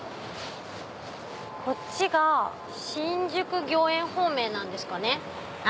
こっちが新宿御苑方面なんですかね。